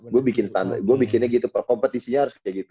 gua bikin standar gua bikinnya gitu perkompetisinya harus kayak gitu